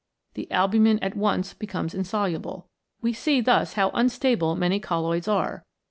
The albumin at once becomes insoluble. We see thus how unstable many colloids are.